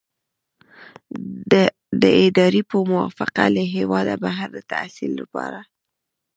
د ادارې په موافقه له هیواده بهر د تحصیل لپاره.